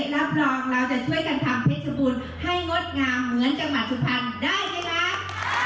แล้วพลองเราจะช่วยกันทำเพชรบุญให้งดงามเหมือนจังหวัดสุภัณฑ์ได้ไหมครับ